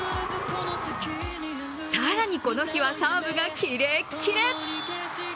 更に、この日はサーブがキレッキレ。